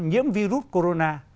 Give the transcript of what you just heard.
nhiễm virus corona